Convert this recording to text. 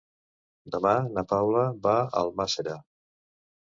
Demà na Paula va a Almàssera.